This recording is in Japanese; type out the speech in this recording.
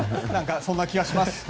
そんな気がします。